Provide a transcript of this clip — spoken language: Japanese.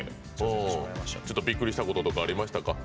ちょっとびっくりしたこととかありましたか？